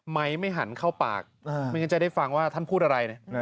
ไม่หันเข้าปากไม่งั้นจะได้ฟังว่าท่านพูดอะไร